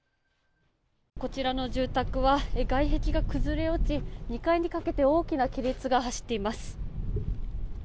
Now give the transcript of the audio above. こちらの住宅は外壁が崩れ落ち２階にかけて大きな亀裂が走っています。